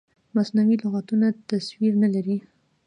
مصنوعي لغتونه تصویر نه لري.